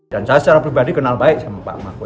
dan saya secara pribadi kenal baik sama pak mahfud